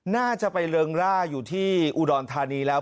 น่าจะไปเริงร่าอยู่ที่อุดรธานีแล้ว